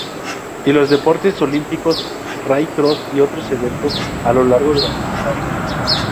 Y los deportes Olímpicos, Rallycross y otros eventos a lo largo de la temporada.